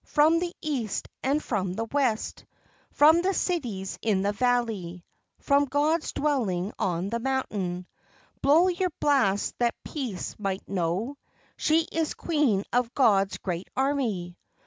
From the East and from the West, From the cities in the valley, From God's dwelling on the mountain, Blow your blast that Peace might know She is Queen of God's great army.